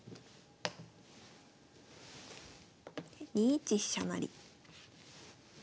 ２一飛車成。